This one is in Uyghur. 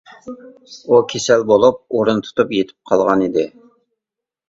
ئۇ كېسەل بولۇپ ئورۇن تۇتۇپ يېتىپ قالغانىدى.